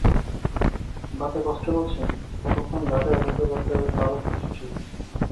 বাতে কষ্ট পাচ্ছেন, কতক্ষণ ঘাটে অপেক্ষা করতে হবে তারও কিছু ঠিক নেই।